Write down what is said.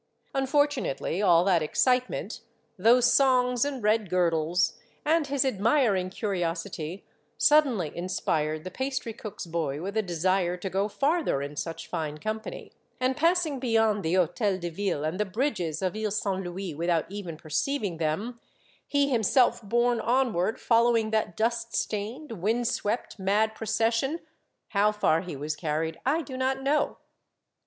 Unfortunately, all that excitement, those songs and red girdles, and his admiring curiosity, sud denly inspired the pastry cook's boy with a desire to go farther in such fine company, and passing beyond the H6tel de Ville and the bridges of lie Saint Louis without even perceiving them, he him self borne onward, following that dust stained, wind swept, mad procession — how far he was carried, I do not know.